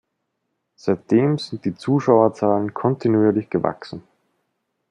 Seitdem sind die Zuschauerzahlen kontinuierlich gewachsen.